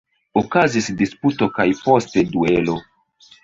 Okazis disputo kaj poste duelo.